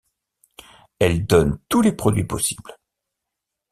Elle donne tous les produits possibles.